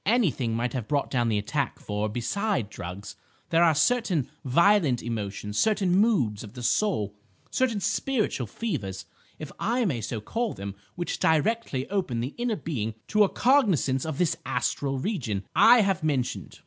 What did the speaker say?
"Anything might have brought down the attack, for, besides drugs, there are certain violent emotions, certain moods of the soul, certain spiritual fevers, if I may so call them, which directly open the inner being to a cognisance of this astral region I have mentioned.